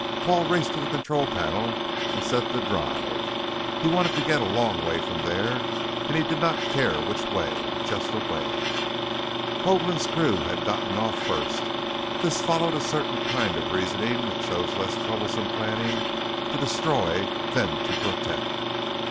Paul raced to the control panel and set the drive; he wanted to get a long way from there and he did not care which way. Just away.... Hoagland's crew had gotten off first. This followed a certain kind of reasoning that shows less troublesome planning to destroy than to protect.